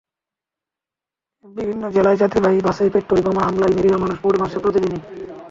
বিভিন্ন জেলায় যাত্রীবাহী বাসে পেট্রলবোমা হামলায় নিরীহ মানুষ পুড়ে মরছে প্রতিদিনই।